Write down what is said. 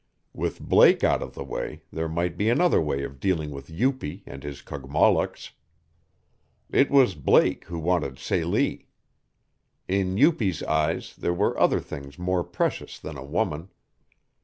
With Blake out of the way there might be another way of dealing with Upi and his Kogmollocks. It was Blake who wanted Celie. In Upi's eyes there were other things more precious than a woman.